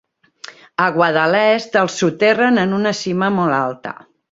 A Guadalest els soterren en una cima molt alta.